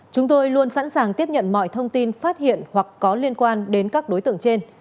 chúng tôi luôn sẵn sàng tiếp nhận mọi thông tin phát hiện hoặc có liên quan đến các đối tượng trên